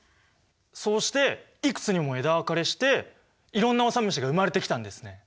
そうしていくつにも枝分かれしていろんなオサムシが生まれてきたんですね。